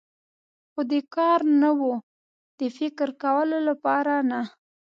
خو د کار نه و، د فکر کولو لپاره نه.